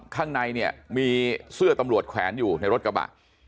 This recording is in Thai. ข้างในเนี่ยมีเสื้อตำรวจแขวนอยู่ในรถกระบะ